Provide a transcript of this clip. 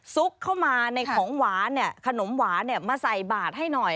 ซุกเข้ามาในขนมหวานมาใส่บาตรให้หน่อย